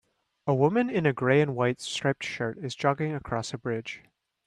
A woman in a gray and white striped shirt is jogging across a bridge.